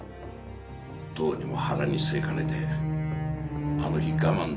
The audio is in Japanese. どうにも腹に据えかねてあの日我慢できずに手をかけた。